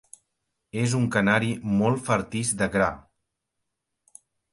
És un canari molt fartís de gra.